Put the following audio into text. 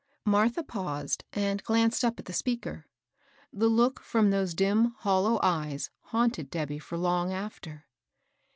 '* Martha paused and glanced up at the speaker. The look from those dim, hollow eyes haunted Debby for long after.